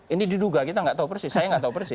ini diduga kita nggak tahu persis saya nggak tahu persis